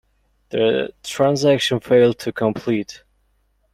The transaction failed to complete.